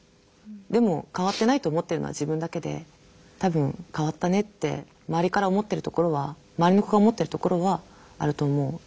でも変わってないと思ってるのは自分だけで多分変わったねって周りから思ってるところは周りの子が思ってるところはあると思う。